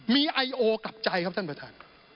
มีไอโอกลับใจครับท่านประธาน